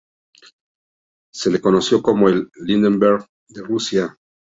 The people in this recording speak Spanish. Se lo conoció como el "Lindbergh de Rusia".